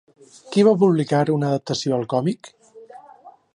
Qui va publicar una adaptació al còmic?